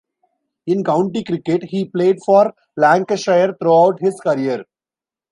In county cricket, he played for Lancashire throughout his career.